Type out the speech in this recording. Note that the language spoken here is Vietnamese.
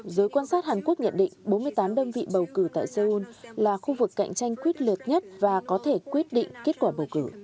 giới quan sát hàn quốc nhận định bốn mươi tám đơn vị bầu cử tại seoul là khu vực cạnh tranh quyết liệt nhất và có thể quyết định kết quả bầu cử